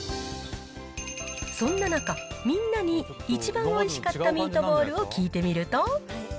そんな中、みんなに一番おいしかったミートボールを聞いてみると。